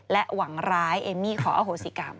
หวังร้ายเอมมี่ขออโหสิกรรม